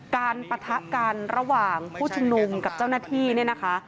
ปะทะกันระหว่างผู้ชุมนุมกับเจ้าหน้าที่เนี่ยนะคะ